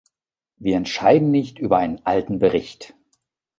Wir entscheiden nicht über einen alten Bericht!